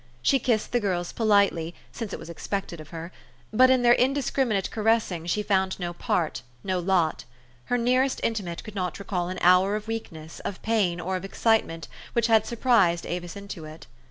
She kissed the girls politely, since it was expected of her ; but, in their indiscriminate caressing, she found no part, no lot : her nearest intimate could not recall an hour of weakness, of pain, or of excitement, which had surprised Avis into it.